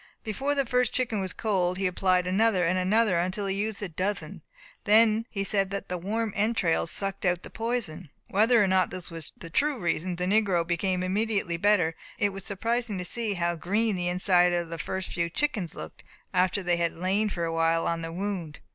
Before the first chicken was cold, he applied another, and another, until he had used a dozen. He said that the warm entrails sucked out the poison. Whether or not this was the true reason, the negro became immediately better; and it was surprising to see how green the inside of the first few chickens looked, after they had lain for a little while on the wound."